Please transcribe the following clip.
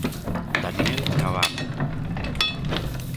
Daniel Cabana.